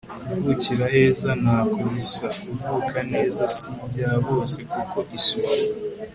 kuvukira aheza ntako bisa. kuvuka neza si ibya bose kuko isuku